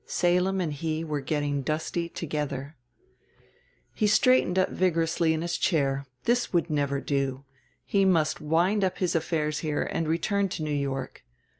Salem and he were getting dusty together. He straightened up vigorously in his chair this would never do. He must wind up his affairs here and return to New York.